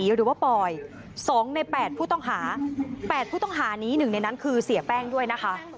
หรือว่าปล่อย๒ใน๘ผู้ต้องหานี้๑ในนั้นคือเสียแป้งด้วยนะคะ